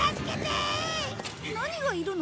何がいるの？